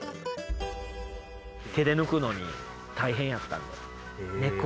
手で抜くのに大変やったんで。